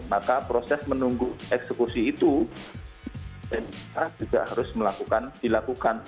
maka proses menunggu eksekusi itu juga harus dilakukan